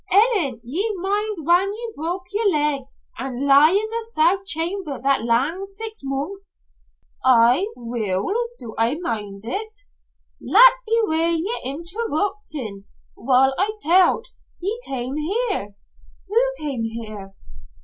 "Ellen, ye mind whan ye broke ye'r leg an' lay in the south chamber that lang sax months?" "Aye, weel do I mind it." "Lat be wi' ye're interruptin' while I tell't. He came here." "Who came here?"